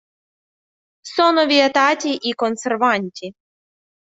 Sono vietati i conservanti.